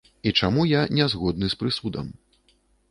І чаму я не згодны з прысудам.